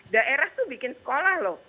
daerah tuh bikin sekolah loh